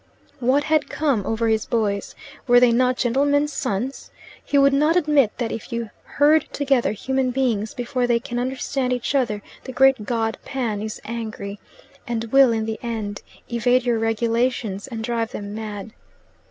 What had come over his boys? Were they not gentlemen's sons? He would not admit that if you herd together human beings before they can understand each other the great god Pan is angry, and will in the end evade your regulations and drive them mad.